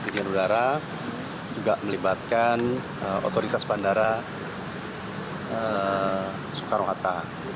dan juga melibatkan otoritas bandara soekarno hatta